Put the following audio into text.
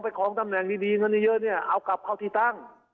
ของตำแหน่งดีเงินเยอะเนี่ยเอากลับเข้าที่ตั้ง